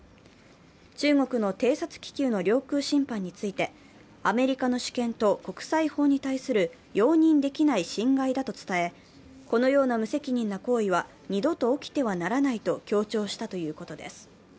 中国の偵察気球の領空侵犯について、アメリカの主権と国際法に対する容認できない侵害だと伝えこのような無責任な行為は二度と起きてはならないと強調したということです。